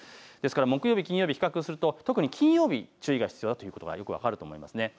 木曜日、金曜日、比較すると特に金曜日、注意が必要だということがよく分かると思います。